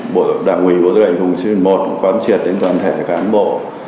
bộ đảng quỳ bộ tư lệnh vùng chín mươi một cũng phát triển đến toàn thể các án bộ